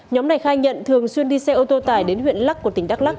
nhóm này khai nhận thường xuyên đi xe ô tô tải đến huyện lắc của tỉnh đắk lắc